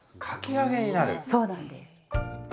そうなんです。